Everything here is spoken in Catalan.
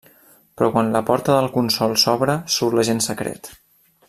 Però quan la porta del consol s’obre, surt l’agent secret.